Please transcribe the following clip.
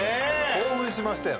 興奮しましたよね。